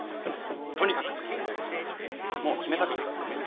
とにかくもう決めたから。